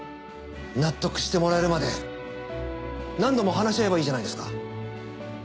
納得してもらえるまで何度も話し合えばいいじゃないですか。